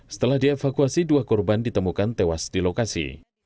setelah dievakuasi dua korban ditemukan tewas di lokasi